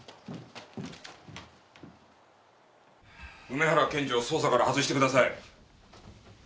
梅原検事を捜査から外してください。